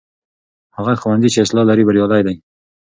هغه ښوونځی چې اصلاح لري بریالی دی.